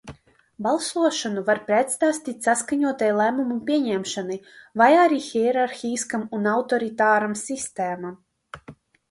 Balsošanu var pretstatīt saskaņotai lēmumu pieņemšanai vai arī hierarhiskām un autoritātām sistēmam.